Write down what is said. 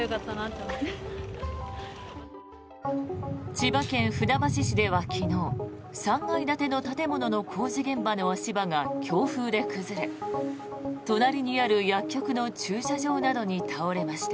千葉県船橋市では昨日３階建ての建物の工事現場の足場が強風で崩れ隣にある薬局の駐車場などに倒れました。